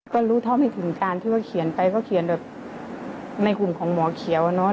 ก็รู้เท่าไม่ถึงการที่ว่าเขียนไปก็เขียนแบบในหุ่นของหมอเขียวอะเนาะ